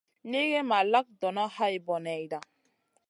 Nigi ma lak donoʼ hay boneyda.